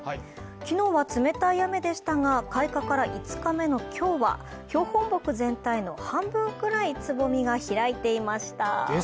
昨日は冷たい雨でしたが開花から５日目の今日は、標本木全体の半分くらいつぼみが開いていました。